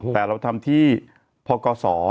แต่เราทำที่พอก่อสอ